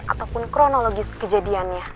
ataupun kronologis kejadiannya